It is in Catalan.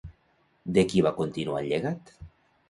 De qui va continuar el llegat?